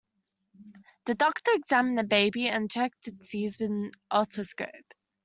The doctor examined the baby and checked its ears with an otoscope.